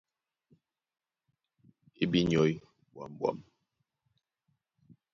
E bí nyɔ̀í ɓwǎmɓwam.